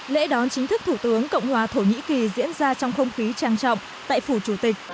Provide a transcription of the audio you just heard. lễ đón chính thức thủ tướng cộng hòa thổ nhĩ kỳ diễn ra trong không khí trang trọng tại phủ chủ tịch